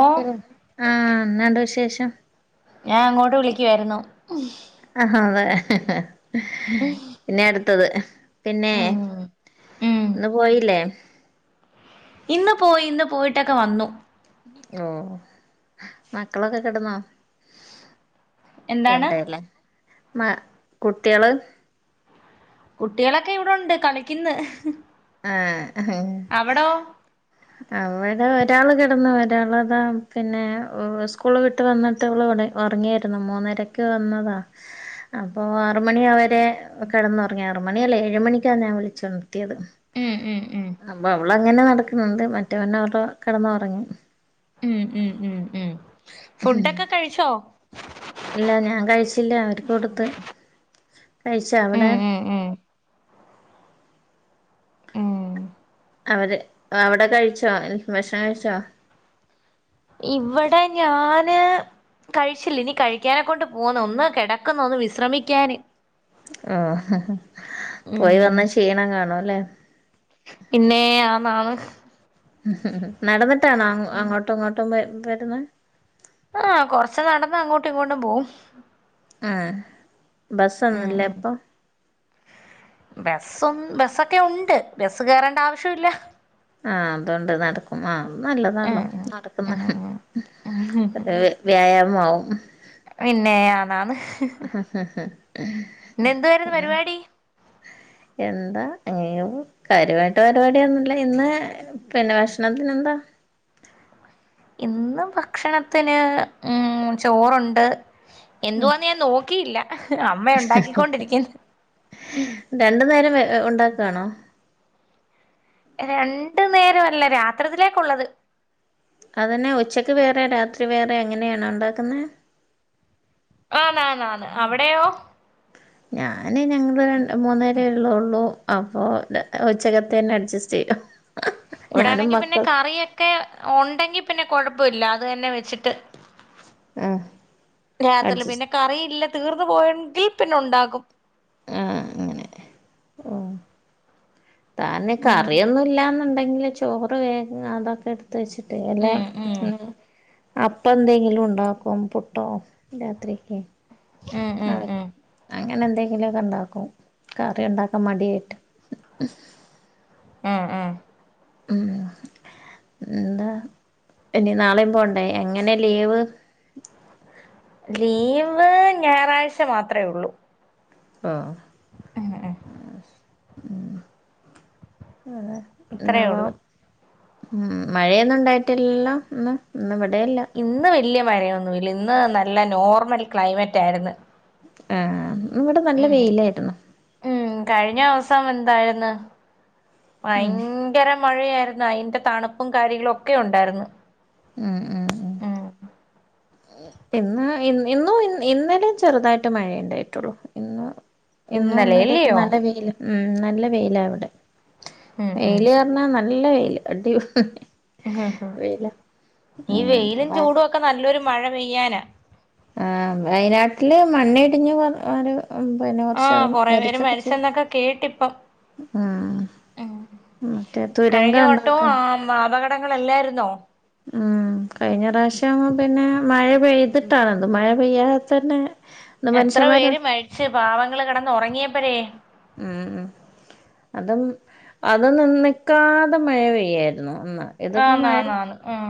ഓ ആഹ് എന്നാണ്ട് വിശേഷം ഞാൻ അങ്ങോട്ട് വിളിക്കുവായിരുന്നു ആഹ് അതെ ഇനി അടുത്തത് പിന്നേ ഉം ഉം ഇന്ന് പോയില്ലേ ഇന്ന് പോയി ഇന്ന് പോയിട്ടൊക്കെ വന്നു ഓഹ് മക്കളൊക്കെ കെടന്നോ എന്താണ് എവിടെല്ലേ മ കുട്ട്യാള് കുട്ട്യാളൊക്കെ ഇവിടെണ്ട് കളിക്ക്ന്ന് ആഹ് അവടോ അവിടെ ഒരാള് കിടന്ന് ഒരാളതാ പിന്നെ സ്കൂൾ വിട്ട് വന്നിട്ട് ഇവള് ഇവിടെ ഉറങ്ങ്യരുന്നു മൂന്നരക്ക് വന്നതാ അപ്പോ ആറ് മണി അവരെ കിടന്നുറങ്ങി. ആറ് മണി അല്ല ഏഴുമണിക്കാണ് ഞാൻ വിളിച്ചു ഒണർത്തേത് ഉം ഉം ഉം അപ്പൊ അവളങ്ങനെ നടക്ക്ണ് മറ്റേവൻ വടെ കിടന്നുറങ്ങി ഉം ഉം ഉം ഉം ഫുട്ടൊക്കെ കഴിച്ചോ ഇല്ല ഞാൻ കഴിച്ചില്ല അവർക്ക് കൊടുത്ത് കഴിച്ച അവിടെ ഉം ഉം ഉം ഉം അവര് അവിടെ കഴിച്ചോ ഭക്ഷണം കഴിച്ചോ ഇവിടെ ഞാന് കഴിച്ചില്ല ഇനി കഴിക്കാനെ കൊണ്ട് പോനു ഒന്ന് കിടക്കുന്നു ഒന്ന് വിശ്രമിക്കാന് ആഹ് ഉം പോയി വന്നാ ക്ഷീണം കാണോല്ലേ പിന്നെ ആനന് ഉം നടന്നിട്ടാണോ അങ്ങോട്ടും ഇങ്ങോട്ടും വ വരുന്നേ ആഹ് കൊറച്ച് നടന്ന് അങ്ങോട്ടും ഇങ്ങോട്ടും പോവും ആഹ് ഉം ബസ്സൊന്നുല്ലെ ഉം അപ്പൊ ബസ്സും ബസ്സൊക്കെ ഉണ്ട് ബസ് കയറേണ്ട ആവിശ്യല്ല ആഹ് അതൊണ്ട് നടക്കും ആഹ് നല്ലതാട്ടോ ഉം നടക്കുന്നെ ഉം ഉം ഉം ഉം അത് വ്യായാമമാവും പിന്നെ അതാണ് ഇന്ന് എന്തുവായിരുന്നു പരിപാടി എന്താ അങ്ങനെ കാര്യമായിട്ട് പരിവാട്യോന്നുംല്ല ഇന്ന് പിന്നെ ഭക്ഷണത്തിന് എന്താ ഇന്ന് ഭക്ഷണത്തിന് ഉം ചോറുണ്ട് എന്തുവാന്ന് ഞാൻ നോക്കിയില്ല അമ്മ ഉണ്ടാക്കിക്കൊണ്ടിരിക്ക് രണ്ടു നേരം ഉണ്ടാക്കാണോ രണ്ട് നേര അല്ല രാത്രിത്തിലേക്കുള്ളത് അതുതന്നെ ഉച്ചക്ക് വേറെ രാത്രി വേറെ എങ്ങനെയാണ് ഉണ്ടാക്കുന്നത് ആഹ് നന്നാണ് അവിടെയോ ഞാന് ഞങ്ങള് ര മൂന്നേരേ ഉള്ളള്ളൂ അപ്പോ ഉച്ചകത്തെന്നെ അഡ്ജസ്റ്റ് ചെയ്തു ഇവിടെ ആണെങ്കി പിന്നെ കറിയൊക്കെ ഉണ്ടെങ്കി പിന്നെ കൊഴപ്പില്ല അതെന്നെ വെച്ചിട്ട് ആഹ് രാത്രില് അഡ്ജസ്റ്റ് പിന്നെ കറിയില്ല തീർന്നു പോയെങ്കിൽ പിന്നെ ഉണ്ടാകും ആഹ് അങ്ങനെ താനേ ഉം കറിയൊന്നും ഇല്ലന്നുണ്ടെങ്കില് ചോറ് വേഗം അതൊക്കെ എട് ത്തെച്ചിട്ടെ വല്ല ഉം ഉം അപ്പ എന്തെങ്കിലും ഉണ്ടാക്കും പുട്ടോ രാത്രിക്കെ ഉം ഉം ആഹ് ഉം അങ്ങനെ എന്തെങ്കിലൊക്കെ ഇണ്ടാക്കും കറി ഇണ്ടാക്കാൻ മടിയായിട്ട് മ് എ എ ഉം എന്താ ഇനി നാളെയും പോണ്ടേ എങ്ങനെ ലീവ് ലീവ് ഞായറാഴ്ച മാത്ര ഉള്ളൂ ആഹ് ഉം ഉം വേറെ ഇത്രയേ എന്നാവോ ഉള്ളൂ ഉം മഴയൊന്നും ഉണ്ടായിട്ടില്ലല്ലോ ഇ ഇന്ന് ഇവിടെ ഇ ല്ല ഇന്ന് വലിയ മഴയൊന്നും ഇല്ല ഇന്ന് നല്ല നോർമൽ ക്ലൈമറ്റ് ആയിരുന്നു ആഹ് ആഹ് ഇന്ന് ഇവിടെ നല്ല ഉം വെയിലായിരുന്നു ഉം കഴിഞ്ഞ ദിവസം എന്തായിരുന്നു ഭയ ഉം ങ്കര മഴയായിരുന്നു അതിന്റെ തണുപ്പും കാര്യങ്ങളും ഒക്കെ ഉണ്ടായിരുന്നു ആ ഹ് ആഹ് ഉം ഇന്ന് ഇന്ന ഇന്നലെ ചെറുതായിട്ട് മഴയുണ്ടായിട്ടുള്ളു ഇന്ന് ഇന്നും ഇന്നലെ ഒക്കെ നല്ല വെയിയിലാ ഉം നല്ല വെയിലാ ഇവിടെ ഉം ഉം വെയില് പറഞ്ഞാ നല്ല വെയില് അടി ഹ് ഹ് വെയിലാ ഈ വെയിലും ഉം ചൂടും ഒക്കെ നല്ലൊരു മഴ പെയ്യാനാ ആ വയനാട്ടില് മണ്ണിടിഞ്ഞ് പിന്നെ കുറച്ചആള് മരിച്ചൊക്കെ ചെയ്യ കേട്ടി ഇപ്പം ഉം മറ്റേ കഴിഞ്ഞ തുരങ്കം വട്ടവും ഉണ്ടാക്കും ആ അപകട പടങ്ങൾ അല്ലായിരുന്നോ ഉം കഴിഞ്ഞ പ്രാവശ്യം പിന്നെ മഴ പെയ്തിട്ടാണത് മഴ പെയ്യാതെ തന്നെ ഇത് എത്ര മനുഷ്യന്മാര് പേര് മരിച്ച് പാവങ്ങൾ കിടന്ന് ഉറങ്ങിയപ്പരേ ഉം ഉം അതും അത് നിന്നക്കാതെ മഴ പെയ്യായിരുന്നു അന്ന് ഇതിപ്പോ ആന്ന് മഴ ആന്ന് ഉം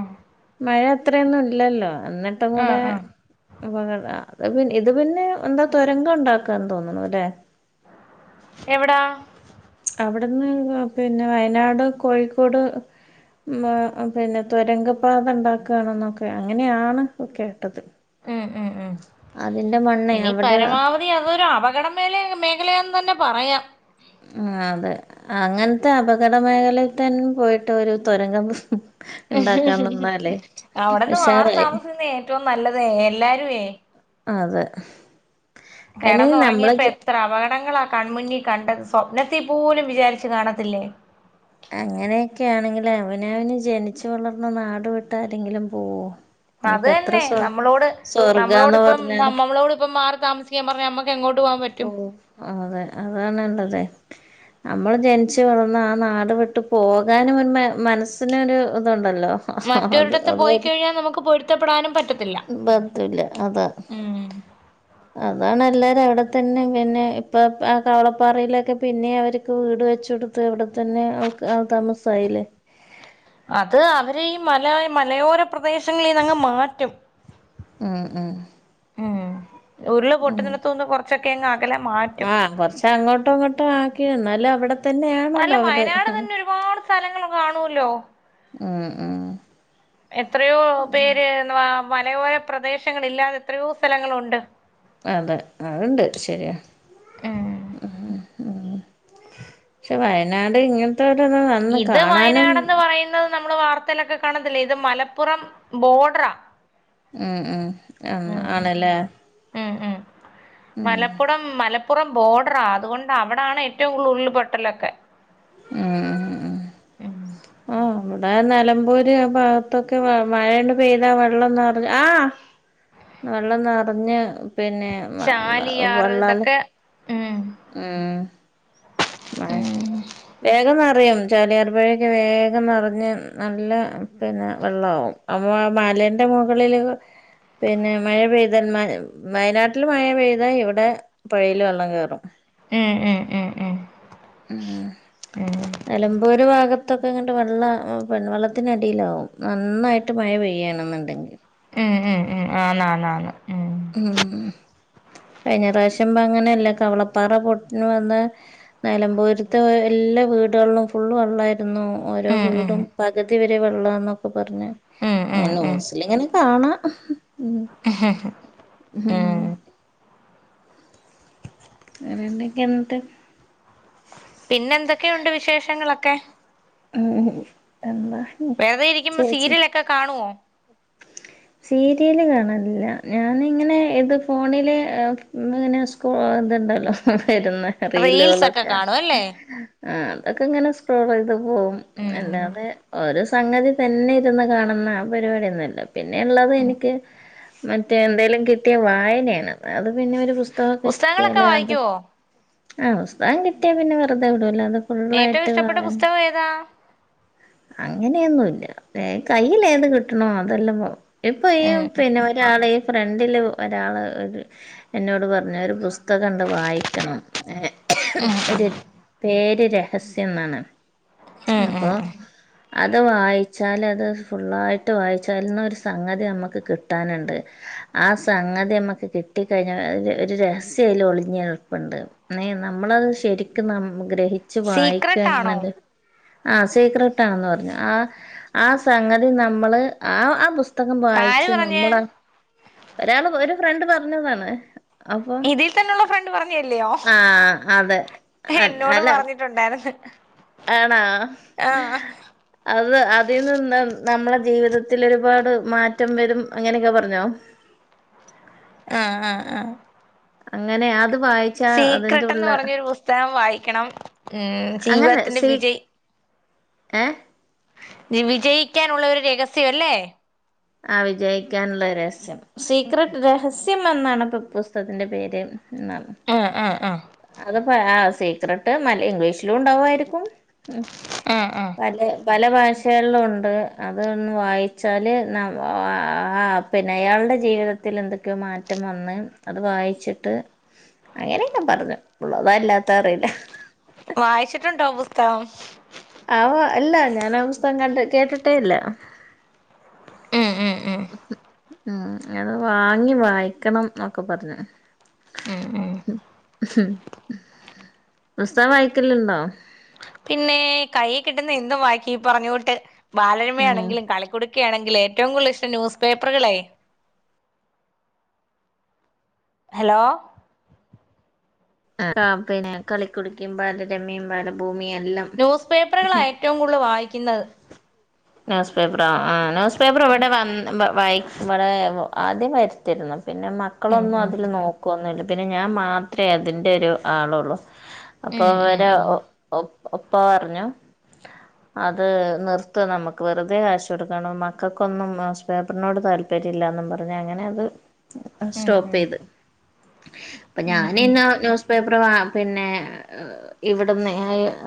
മഴ അത്രൊന്നും ഇല്ലല്ലോ എന്നിട്ടും ഉം കൂടെ ഉം അപകടം അത് ഇത് പിന്നെ എന്താ തുരങ്ക ഉണ്ടാക്കാന്ന് തോന്നുന്നു അല്ലേ എവിടാ അവിടുന്ന് പിന്നെ വയനാട് കോഴിക്കോട് മ പിന്നെ തുരങ്ക പാത ഉണ്ടാക്കാണ് എന്നൊക്കെ അങ്ങനെയാണ് കേട്ടത് ഉം ഉം ഉം അതിന്റെ മണ്ണ് ഇനി അവിടെ പരമാവധി അതൊരു അപകട മേ മേഖലയാണെന്ന് തന്നെ പറയാം ആഹ് അതെ അങ്ങനത്തെ അപകട മേഖലയിൽ തന്നെ പോയിട്ട് ഒരു തുരങ്കം ഉണ്ടാക്കാൻ നിന്നാലേ അവിടെന്ന് മാറി ഉഷാറായി താമസിക്കുന്ന ഏറ്റവും നല്ലത് എല്ലാരുമേ അതെ അതിന് നമ്മള കിടന്നുറങ്ങിയപ്പോ എത്ര അപകടങ്ങളാ കൺമുന്നിൽ കണ്ടത് സ്വപ്നത്തിൽ പോലും വിചാരിച്ചു കാണത്തില്ലേ അങ്ങനെയൊക്കെ ആണെങ്കിലും അവന അവന് ജനിച്ചു വളർന്ന നാട് വിട്ട് ആരെങ്കിലും പോവോ അത് ഇനിയിപ്പോ എത്ര തന്നെ സ്വ നമ്മളോട് നമ്മളോട് സ്വർഗാന്ന് ഇപ്പം പറഞ്ഞാലും നമ്മളോട് ഇപ്പം മാറി താമസിക്കാൻ പറഞ്ഞ നമ്മക്ക് എങ്ങോട്ട് പോവും പ്പോവും അതെ അതാണ് ഇല്ലത് നമ്മൾ ജനിച്ചു വളർന്ന് ആഹ് നാട് വിട്ട് പോകാനും ഒരു മനസ്സിനൊരു ഇതുണ്ടല്ലോ അത് മറ്റൊരിടത്ത് അത് പോയി കഴിഞ്ഞാൽ നമുക്ക് പൊരുത്തപ്പെടാനും പറ്റത്തില്ല റ്റൂല അതാ അതാണ് എല്ലാരും അവിടെ ത തന്നെ പിന്നെ ഇപ്പം ആഹ് കവളപ്പാറയിലൊക്കെ പിന്നെ അവർക്ക് വീട് വെച്ച കൊടു ത്തു അവിടെ തന്നെ ആഹ് ആൾ താമസായില്ലേ അത് അവരെ ഈ മല മലയോര പ്രദേശങ്ങളിൽ നിന്ന് അങ്ങ് മാറ്റും ഉം ഉം ഉം ഉരുള് പൊട്ടുന്നിടത്ത് നിന്ന് കുറച്ചൊക്കെ അങ്ങ് അകലം മാറ്റും ആഹ് കൊറച്ച് അങ്ങോട്ടും ഇങ്ങോട്ടും ആക്കി എന്നാല് അവിടെ അല്ല തന്നെയാണല്ലോ അവര് വയനാട് തന്നെ ഒരുപാട് സ്ഥലങ്ങൾ കാണുവല്ലോ ഉം ഉം എത്രയോ പേര് മലയോര പ്രദേശങ്ങളില്ലാതെ എത്രയോ സ്ഥലങ്ങളുണ്ട് അതെ അതുണ്ട് ശരിയാ ഉം ഉം പക്ഷെ വയനാട് ഇങ്ങെ നത്തെ വന്ന് ഇത് കാണാനും വയനാടെന്ന് പറയുന്നത് നമ്മള് വാർത്തയിലൊക്കെ കാണത്തില്ലേ ഇത് മലപ്പുറം ബോർഡറാ ഉം ഉം ആഹ് ഉം ആണല്ലേ ഉം ഉം ഉം മലപ്പുറം മലപ്പുറം ബോർഡറാ അതുകൊണ്ട് അവിടാണ് ഏറ്റവും കൂടുതൽ ഉരുൾപൊട്ടലൊക്കെ ഉം ഉം ഉം ആഹ് അവിടെ നിലമ്പൂര് ഭാഗത്തൊക്കെ മഴണ്ട് പെയ്താ വെള്ളം നിറഞ്ഞ ആഹ് വെള്ളം നിറഞ്ഞ് പിന്നെ ചാലിയാറ് വെള്ളല് ഇതൊക്കെ ഉം ഉം മഴ ഉം വേഗം നിറിയും ചാലിയർ പുഴയൊക്കെ വേഗം നിറഞ്ഞ് നല്ല പിന്നെ വെള്ളമാക്കും അപ്പോ മാലെന്റെ മുകളില് പിന്നെ മഴ പെയ്താൽ മ വയനാട്ടിൽ മഴ പെയ്താ ഇവിടെ പുഴയില് വെള്ളം കയറും ഉം ഉം ഉം ഉം ഉം നിലമ്പൂർ ഭാഗത്തൊക്കെ ഇങ്ങോട്ട് വെള്ള വെള്ളത്തിനടിയിലാവും നന്നായിട്ട് മഴ പെയ്യുവാണെന്നുണ്ടെങ്കിൽ ഉം ഉം ഉം ആഹ് അന്ന് അന്ന് അന്ന് ഉം കഴിഞ്ഞ പ്രാവശ്യം അങ്ങനെയല്ലെ കവളപ്പാറ പൊട്ടി വന്ന നിലമ്പൂരത്തെ എല്ലാ വീടുകളിലും ഫുള് വെള്ളമായിരുന്നു ഓരോ ഉം വീടും ഉം പകുതി വരെ വെള്ളന്നൊക്കെ പറഞ്ഞ് ഉം ഉം ഉം ന്യൂസിൽ ഇങ്ങനെ കാണാം ഹ ഹ ഉം [unintelligible] എന്ത് പിന്നെ എന്തൊക്കെയുണ്ട് വിശേഷങ്ങളൊക്കെ ഉം എന്നാ വെറുതെ ഇരിക്കുമ്പ സീരിയലൊക്കെ കാണുവോ സീരിയല് കാണാനില്ല ഞാനിങ്ങനെ ഇത് ഫോണില് ഇങ്ങനെ എതുണ്ടല്ലോ വരുന്ന റീൽസ് ഒക്കെ റീലുകളൊക്കെ കാണും അല്ലേ ആഹ് അതൊക്കെങ്ങനെ സ്ട്രോൾ ചെയ്ത് പോവും ഉം അല്ലാതെ ഒരു സംഗതി തന്നെ ഇരുന്ന് കാണുന്ന ആഹ് പരിപാടിയൊന്നുല്ല പിന്നെള്ളത് ഉം എനിക്ക് മറ്റേ എന്തേലും കിട്ടിയ വായനയാണ് അത് പിന്നെ ഒരു പുസ്തം പുസ്തകമൊക്കെ പുസ്തകങ്ങളൊക്കെ കിട്ടിയാലേ അത വായിക്കുവോ ആഹ് പുസ്തകം കിട്ടിയാൽ പിന്നെ വെറുതെ ഇടുല്ലോ അത് ഏറ്റവും ഇഷ്ടപ്പെട്ട പുസ്തകം [unintelligible] ഏതാ അങ്ങനെയൊന്നുംല്ല കയ്യിലേത് കിട്ടണോ അതെല്ലാം ഇപ്പൊ ഈ ഉം പിന്നെ ഒരാള് ഈ ഫ്രണ്ടില് ഒരാള് ഒരു എന്നോട് പറഞ്ഞ ഒരു പുസ്തകം ഒക്ക കണ്ട് വായിക്കണം ഏഹ് ഉം ഒരു പേര് രഹസ്യംന്നാണ് ഉം ഉം അപ്പൊ ഉം അത് വായിച്ചാൽ അത് ഫുള്ളായിട്ട് വായിച്ചാലന്ന സംഗതി നമുക്ക് കിട്ടാനുണ്ട് ആഹ് സംഗതി നമുക്ക് കിട്ടിക്കഴിഞ്ഞാ ഒരു രഹസ്യൽ ഒളിഞ്ഞപ്പുണ്ട് അ നമ്മളത് ശരിക്കും ന ഗ്രഹിച്ച് സീക്രട്ട് ആണോ വായിക്കണെന്നണ്ട് ആ സീക്രട്ട ആണെന്ന് പറഞ്ഞു ആ ആ സംഗതി നമ്മള് ആ ആ പുസ്തക പുത്തകം ആര് വായിച്ച് പറഞ്ഞ് നമ്മളാ ഒരാള് ഒരു ഫ്രണ്ട് പറഞ്ഞതാണ് അപ്പൊ ഇതിൽ തന്നെയുള്ള ഫ്രണ്ട് പറഞ്ഞല്ലയോ ആഹ് അതെ അതെ അല്ല ണ്ടായിരുന്ന് ആണാ അത് അതിനിന്ന് നമ്മളെ ജീവിതത്തിൽ ഒരുപാട് മാറ്റം വരും അങ്ങനെയൊക്കെ പറഞ്ഞോ ആഹ് ആഹ് ആഹ് അങ്ങനെ അത് വായി സീക്രട്ട് എന്നെപറഞ്ഞൊരു പുസ്തകം വായിക്കണം ഉം അങ്ങനെ ജീവിതത്തിന്റെ സീ വിജയ് ഏഹ് വിജയിക്കാനുള്ള ഒരു രഹസ്യം അല്ലേ ആ വിജയിക്കാനുള്ള രഹസ്യം സീക്രട്ട് രഹസ്യം എന്നാണ് പുസ്തകത്തിന്റെ പേര് ആഹ് ആഹ് ആഹ് അത് സീക്രട്ട് മൽ ഇംഗ്ലീഷിലും ഉണ്ടാവുമായിരിക്കും ആഹ് ആഹ് പല ഭാഷകളിലും ഉണ്ട് അതൊന്ന് വായിച്ചാല് ആഹ് പിന്നെ അയാളുടെ ജീവിതത്തിൽ എന്തൊക്കെയോ മാറ്റം വന്ന് അത് വായിച്ചിട്ട് അങ്ങനെയൊക്കെ പറഞ്ഞു ഉള്ളതാ അല്ലാത്ത അറിയില്ല വായിച്ചിട്ടുണ്ടോ പുസ്തകം ആവോ അല്ല ഞാൻ ആ പുസ്തകം കണ്ട് കേട്ടിട്ടേ ഇല്ല ഏഹ് ഏഹ് ഏഹ് ഉം അത് വാങ്ങി വായിക്കണംഒക്കെ പറഞ്ഞു ഉം ഉം പുസ്തകം വായിക്കലണ്ടോ പിന്നെ കൈകിട്ടുന്ന എന്തും ബാക്കി ഈ പറഞ്ഞു കൊട്ട് ബാലരമ ഉം ആണേങ്കിലും കളി കുടക്കയണങ്കിലും ഒക്കെയണെങ്കിൽ ഏറ്റവും കുടുതൽ ഇഷ്ടം നൃസ്പേപ്പറുകളേയിരിക്കും ഹലോ പിന്നെ കളിക്കുടുക്കിയും ബാലരമ്യം ബാലഭൂമിയും എല്ലാം ന്യൂസ് പേപ്പറുകളാ ഏറ്റവും കൂടുതൽ വായിക്കുന്നത് ന്യൂസ് പേപ്പറോ ആ ന്യൂസ് പേപ്പർ ഇവിടെ വന്ന് വായിവിടെ ആദ്യം വരുത്തിരുന്നു പിന്നെ ഉം മക്കളൊന്നും ഉം അതിൽ നോക്കുവൊന്നുമില്ല പിന്നെ ഞാൻ മാത്രമേ അതിന്റെറെ ഒരു ആളള്ളു അപ്പൊ ഉം ഉം അവര ഉം ഉപ്പാ പറഞ്ഞു അത് നിർത്ത് നമുക്ക് വെറുതെ കാശ് കൊടുക്കണം മക്കൾക്കൊന്നും ന്യൂസ് പേപ്പറിനോട് താല്പര്യം തരില്ലെന്നും പറഞ്ഞ് അങ്ങനെ അത് അത് ഉം ഉം സ്റ്റോപ്പെയ്ത് പ്പ ഉം ഞാനി ഉം ഇന്നെ ന്യൂസ് പേപ്പറ് വാ പിന്നേ ഇവിട്ന്നേ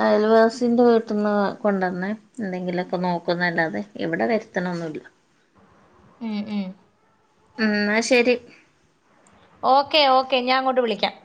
അയൽവാസിന്റെ വീട്ട്ന്ന് കൊണ്ടൊന്ന് എന്തെങ്കിലൊക്കെ നോക്കുംന്നല്ലാതെ ഇവിടെ വെര്ത്ത്ണൊന്നുല്ല ഉം ഉം ഉം ന്നാ ശെരി ഓക്കെ ഓക്കെ ഞാൻ അങ്ങോട്ട് വിളിക്കാം